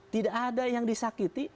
tidak ada yang disakiti